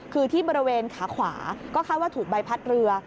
คือที่บริเวณขาขวาก็คาดว่าถูกใบพัดเรือ